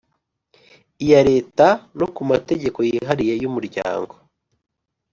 Iya leta no ku mategeko yihariye y umuryango